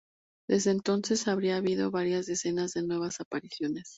Desde entonces habría habido varias decenas de nuevas apariciones.